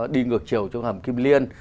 đi ngược chiều trong hầm kim liên